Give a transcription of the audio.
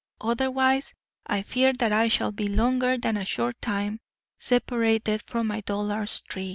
Otherwise I fear that I shall be longer than a short time separated from my dollars three.